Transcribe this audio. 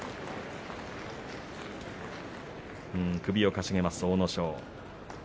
首をかしげる阿武咲。